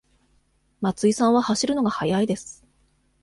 松井さんは走るのが速いです。